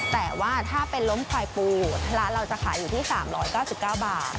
แต่ว่าถ้าเป็นล้มควายปูร้านเราจะขายอยู่ที่๓๙๙บาท